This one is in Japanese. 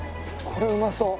これうまそう。